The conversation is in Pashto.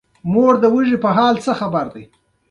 دا مفاهیم پر غښتلي منطق تکیه ولري.